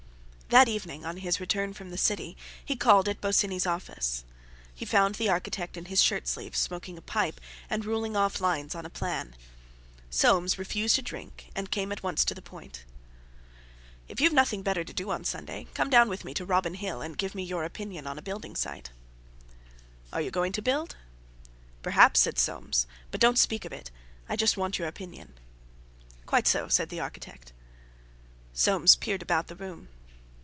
That evening, on his return from the City, he called at Bosinney's office. He found the architect in his shirt sleeves, smoking a pipe, and ruling off lines on a plan. Soames refused a drink, and came at once to the point. "If you've nothing better to do on Sunday, come down with me to Robin Hill, and give me your opinion on a building site." "Are you going to build?" "Perhaps," said Soames; "but don't speak of it. I just want your opinion." "Quite so," said the architect. Soames peered about the room.